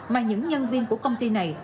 mà những nhân viên của công ty này